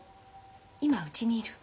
今うちにいる。